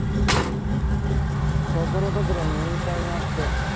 ところどころに雲海があって。